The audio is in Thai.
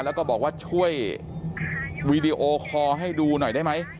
แล้วก็บอกว่าช่วยวีดีโอคอร์ให้ดูหน่อยได้ไหม